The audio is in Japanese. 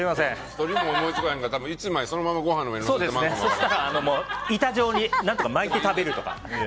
誰も思いつかへんから１枚そのままご飯の上にそしたら板状に巻いて食べるとか。